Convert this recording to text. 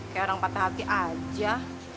kayak orang patah hati aja